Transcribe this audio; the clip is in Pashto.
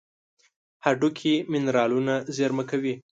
هډوکي منرالونه زیرمه کوي.